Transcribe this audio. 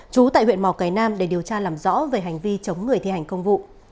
chú tại huyện mò cái nam để điều tra làm rõ về hành vi chống người thi hành công vụ